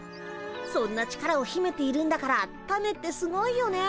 そんな力をひめているんだからタネってすごいよね。